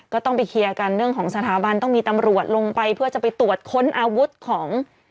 คนไม่เคยพกไงแล้วไม่จริง